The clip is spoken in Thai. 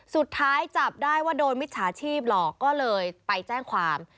สุดท้ายจับได้ว่าโดนมิจฉาชีพหลอกก็เลยไปแจ้งความ